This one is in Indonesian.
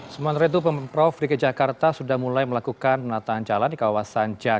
sebenarnya itu pemprov di kejakarta sudah mulai melakukan penataan jalan di kawasan jakarta